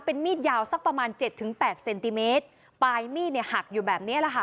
เป็นมีดยาวสักประมาณเจ็ดถึงแปดเซนติเมตรปลายมีดเนี่ยหักอยู่แบบเนี้ยแหละค่ะ